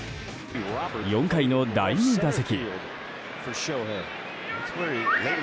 ４回の第２打席。